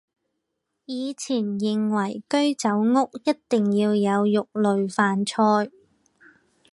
以前认为居酒屋一定要有肉类饭菜。